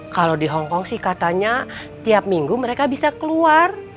kalau di hongkong sih katanya tiap minggu mereka bisa keluar